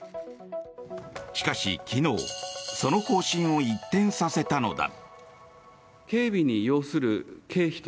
しかし、昨日その方針を一転させたのだ。